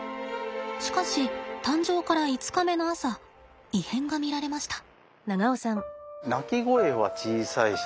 しかし誕生から５日目の朝異変が見られました。